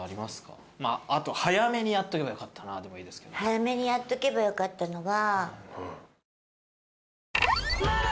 早めにやっとけばよかったのが。